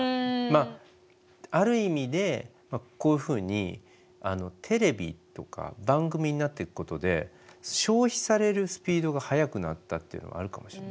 まあある意味でこういうふうにテレビとか番組になってくことで消費されるスピードが速くなったっていうのはあるかもしれないですね。